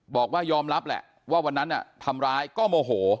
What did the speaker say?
บอกว่ายอมรับแหละว่าวันนั้นทำร้ายก็โมโห